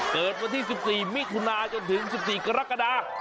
เกิดวันที่๑๔มิถุนาจนถึง๑๔กรกฎา